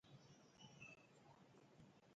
Bininga ba bələna ai dze eyoŋ ba kəlɔg.